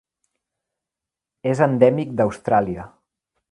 És endèmic d'Austràlia.